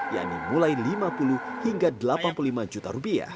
yakni mulai rp lima puluh hingga rp delapan puluh lima juta